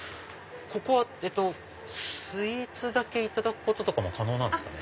ここはスイーツだけいただくことも可能なんですか？